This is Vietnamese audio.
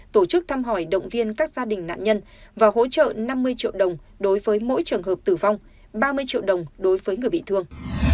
tổ chức thăm hỏi động viên các gia đình nạn nhân và hỗ trợ năm mươi triệu đồng đối với mỗi trường hợp tử vong ba mươi triệu đồng đối với người bị thương